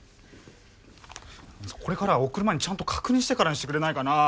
これからは送る前にちゃんと確認してからにしてくれないかな。